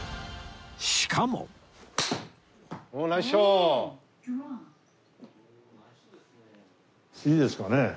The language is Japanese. しかもいいですかね。